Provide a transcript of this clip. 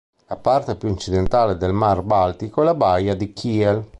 La parte più occidentale del mar Baltico e la baia di Kiel.